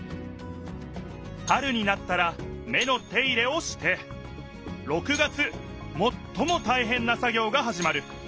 春になったら芽の手入れをして６月もっともたいへんな作業がはじまる。